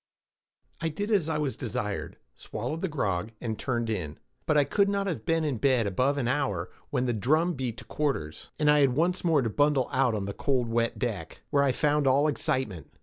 I did as I was desired, swallowed the grog, and turned in; but I could not have been in bed above an hour, when the drum beat to quarters, and I had once more to bundle out on the cold wet deck, where I found all excitement.